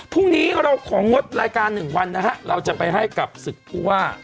ทุกวันนี้เราก็ของงดรายการ๑วันนะฮะเราจะไปให้กับสึกพั่ว